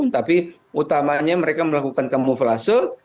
tapi utamanya mereka melakukan kamuflase